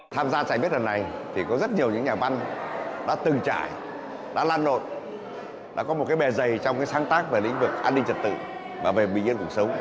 tham gia giải viết lần này thì có rất nhiều những nhà văn đã từng trải đã lan lộn đã có một cái bề dày trong sáng tác về lĩnh vực an ninh trật tự và về bình yên cuộc sống